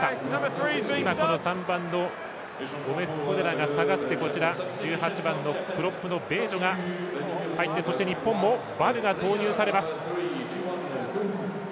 ３番のゴメスコデラが下がってベージョが入って、そして日本もヴァルが投入されます。